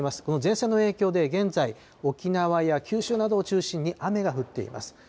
この前線の影響で現在、沖縄や九州などを中心に雨が降っています。